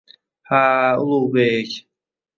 — Ha, Ulugʻbek.